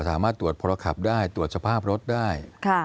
สามารถตรวจพรขับได้ตรวจสภาพรถได้